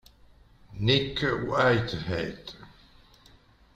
Nick Whitehead